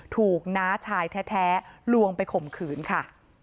น้าชายแท้ลวงไปข่มขืนค่ะ